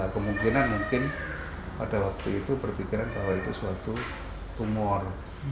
kemungkinan mungkin pada waktu itu berpikiran bahwa itu suatu tumor